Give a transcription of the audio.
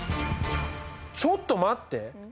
ちょっと待って。